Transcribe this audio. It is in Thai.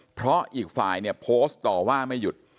เพราะอีกฝ่ายเนี่ยโพสต์ต่อว่าไม่หยุด